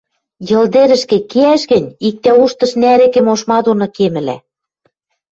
Йыл тӹрӹшкӹ кеӓш гӹнь, иктӓ уштыш нӓрӹкӹм ошма доно кемӹлӓ.